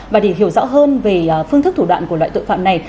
và để hiểu rõ hơn về phương thức thủ đoạn của loại tội phạm này